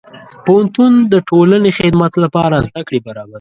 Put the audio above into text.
پوهنتون د ټولنې خدمت لپاره زدهکړې برابروي.